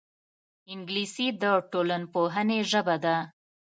انګلیسي د ټولنپوهنې ژبه ده